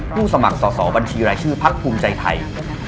สมัครสอบบัญชีรายชื่อพักภูมิใจไทย